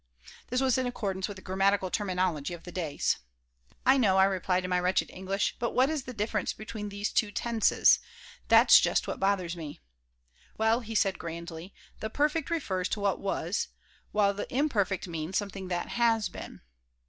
This was in accordance with the grammatical terminology of those days "I know," I replied in my wretched English, "but what is the difference between these two tenses? That's just what bothers me." "Well," he said, grandly, "the perfect refers to what was, while the imperfect means something that has been."